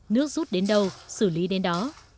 nước rút đến đâu xử lý đến đó